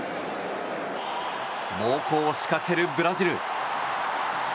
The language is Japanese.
猛攻を仕掛けるブラジル。